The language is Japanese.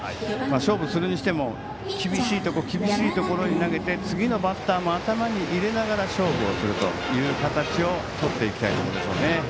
勝負するにしても厳しいところ厳しいところに投げて次のバッターも頭に入れながら勝負をするという形をとっていきたいでしょうね。